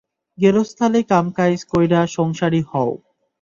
গেরস্তালি কাম কাইজ কইরা সোংসারি হও।